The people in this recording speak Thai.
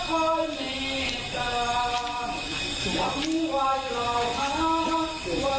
แค่ดูเขี่ยวที่อายุพอที่แรงเยอะไห้